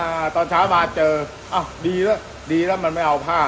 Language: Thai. อ่าตอนเช้ามาเจออ้าวดีแล้วดีแล้วมันไม่เอาผ้า